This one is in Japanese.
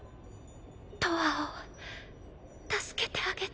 とわを助けてあげて。